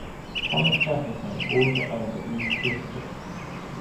Thomas Jefferson also owned at least two kits.